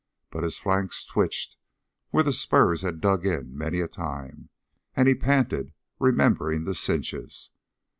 But his flanks twitched where the spurs had dug in many a time, and he panted, remembering the cinches.